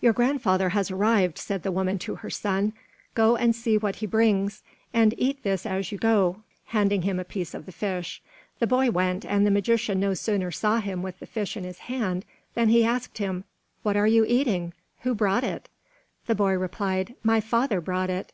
"Your grandfather has arrived," said the woman to her son; "go and see what he brings, and eat this as you go" handing him a piece of the fish. The boy went, and the magician no sooner saw him with the fish in his hand, than he asked him, "What are you eating? Who brought it?" The boy replied, "My father brought it."